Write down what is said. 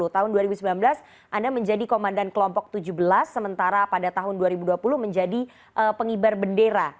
tahun dua ribu sembilan belas anda menjadi komandan kelompok tujuh belas sementara pada tahun dua ribu dua puluh menjadi pengibar bendera